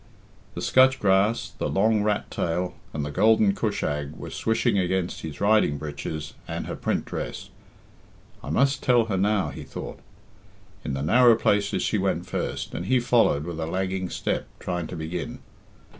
The scutch grass, the long rat tail, and the golden cushag were swishing against his riding breeches and her print dress. "I must tell her now," he thought. In the narrow places she went first, and he followed with a lagging step, trying to begin.